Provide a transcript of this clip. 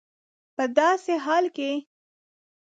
په داسي حال کي